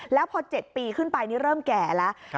แล้วพอ๗ปีขึ้นไปนี่เริ่มแก่แล้ว